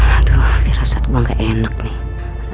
aduh rasa gue gak enak nih